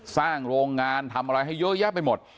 โรงงานทำอะไรให้เยอะแยะไปหมด